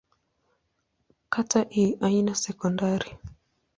Kata hii haina sekondari.